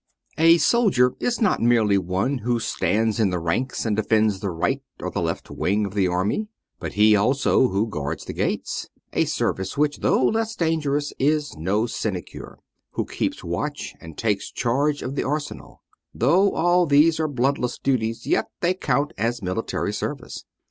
A soldier is not merely one who stands in the ranks and defends the right or the left wing of the army, but he also who guards the gates — a service which, though less dangerous, is no sinecure — who keeps watch, and takes charge of the arsenal : though all these are bloodless duties, yet they count as military service.